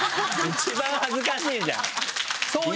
一番恥ずかしいじゃん。